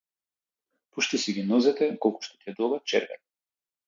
Пушти си ги нозете колку што ти е долга чергата.